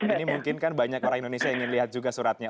ini mungkin kan banyak orang indonesia ingin lihat juga suratnya